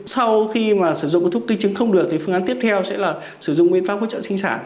sau khi mà sử dụng cái thuốc kích trứng không được thì phương án tiếp theo sẽ là sử dụng nguyên pháp hỗ trợ sinh sản